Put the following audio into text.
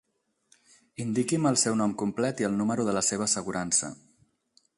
Indiqui'm el seu nom complet i el número de la seva assegurança.